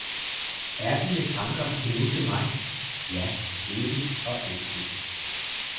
Er dine tanker endnu til mig - ja evig og altid